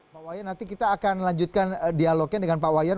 pak wayan nanti kita akan lanjutkan dialognya dengan pak wayan